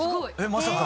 まさか！